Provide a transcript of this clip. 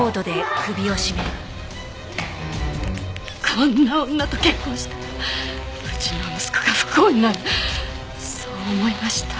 こんな女と結婚したらうちの息子が不幸になるそう思いました。